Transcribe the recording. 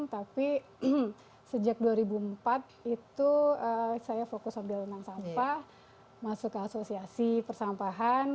tapi sejak dua ribu empat itu saya fokus ambil tentang sampah masuk ke asosiasi persampahan